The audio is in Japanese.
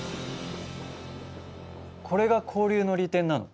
これが交流の利点なの？